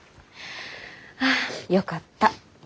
ああよかった。